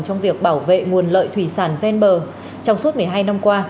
trong việc bảo vệ nguồn lợi thủy sản ven bờ trong suốt một mươi hai năm qua